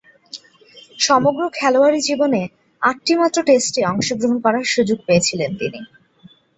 সমগ্র খেলোয়াড়ী জীবনে আটটিমাত্র টেস্টে অংশগ্রহণ করার সুযোগ পেয়েছিলেন তিনি।